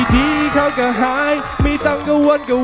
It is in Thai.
พักกันสักครู่นะครับ